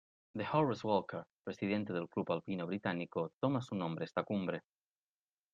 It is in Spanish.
De Horace Walker, presidente del Club Alpino Británico, toma su nombre esta cumbre.